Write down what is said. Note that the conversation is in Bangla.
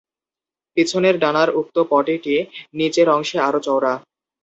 পিছনের ডানার উক্ত পটি টি নিচের অংশে আরো চওড়া।